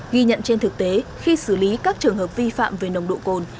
ghi nhận trên thực tế khi xử lý các trường hợp vi phạm về nồng độ cồn